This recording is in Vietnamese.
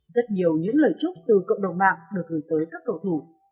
rất nhiều những lời chúc từ cộng đồng mạng được gửi tới các cầu thủ